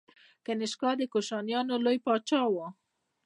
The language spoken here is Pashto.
کنیشکا د کوشانیانو لوی پاچا و.